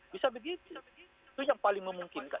bisa begitu itu yang paling memungkinkan